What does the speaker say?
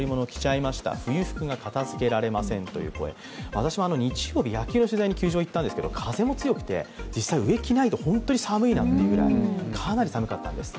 私も日曜日、野球の取材に球場へ行ったんですけど、風も強くて、実際上、着ないと本当に寒いなというくらい、かなり寒かったんです。